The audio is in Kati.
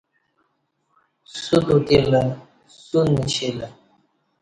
سوت اوتیلہ سوت نشیلہ